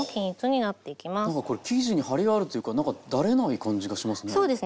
なんかこれ生地にハリがあるというかなんかだれない感じがしますね。